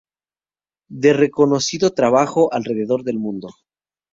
De reconocido trabajo alrededor del mundo.